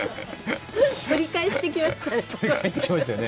取り返しに来ましたよね。